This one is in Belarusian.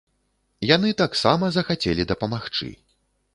Яны таксама захацелі дапамагчы!